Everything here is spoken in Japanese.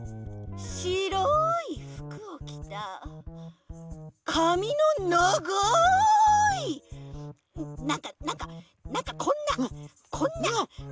しろいふくをきたかみのながいなんかなんかなんかこんなこんなこんなふく。